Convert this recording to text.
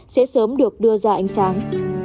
sẽ sớm được đưa ra ánh sáng